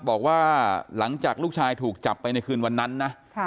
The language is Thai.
บอกว่าหลังจากลูกชายถูกจับไปในคืนวันนั้นนะ